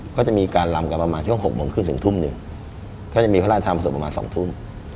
ก็จะมีการลำกันประมาณช่วง๖โมงครึ่งถึงทุ่มหนึ่งก็จะมีพระราชทานส่วนประมาณ๒ทุ่ม